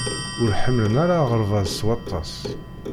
Ur ḥemmlen ara aɣerbaz s waṭas.